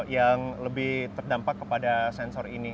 yang lebih terdampak kepada sensor ini